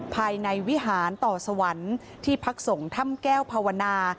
ภายในวิหารต่อสวรรค์ที่พักส่งถ้ำแก้วภาวนา